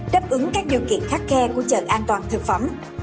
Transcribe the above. đáp ứng các điều kiện khắc khe của trận an toàn thực phẩm